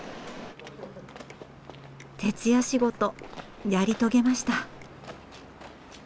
徹夜仕事やり遂げました。